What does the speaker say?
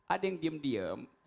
ada yang diem diem